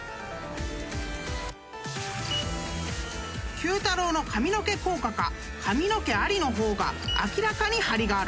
［Ｑ太郎の髪の毛効果か髪の毛ありの方が明らかに張りがある］